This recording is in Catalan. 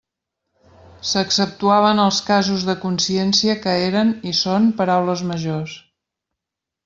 S'exceptuaven els casos de consciència, que eren, i són, paraules majors.